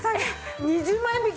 ２０万円引き！